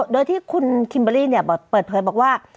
โดยที่คุณคิมเบอร์รี่เปิดเผยบอกว่า